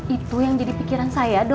itu yang jadi pikiran saya dok